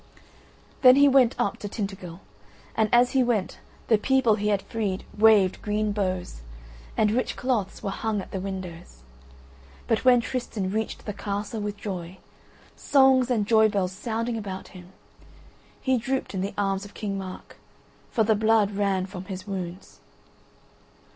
Then he went up to Tintagel and as he went the people he had freed waved green boughs, and rich cloths were hung at the windows. But when Tristan reached the castle with joy, songs and joy bells sounding about him, he drooped in the arms of King Mark, for the blood ran from his wounds.